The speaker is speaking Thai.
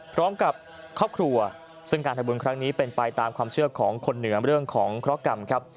พร้อมกับครอบครัวซึ่งการทำบุญครั้งนี้เป็นไปตามความเชื่อของคนเหนือเรื่องของเคราะหกรรมครับ